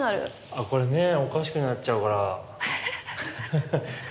あこれ目おかしくなっちゃうから。